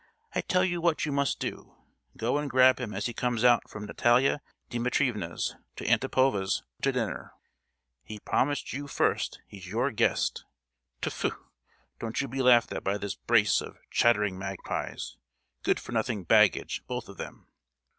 I tell you what you must do—go and grab him as he comes out from Natalia Dimitrievna's to Antipova's to dinner. He promised you first, he's your guest. Tfu! don't you be laughed at by this brace of chattering magpies—good for nothing baggage, both of them.